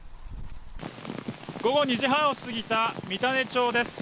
午後２時半を過ぎた三種町です。